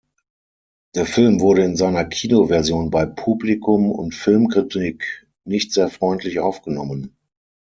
Der Film wurde in seiner Kinoversion bei Publikum und Filmkritik nicht sehr freundlich aufgenommen.